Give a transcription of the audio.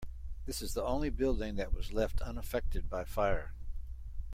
This is the only building that was left unaffected by fire.